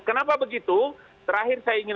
kenapa begitu terakhir saya ingin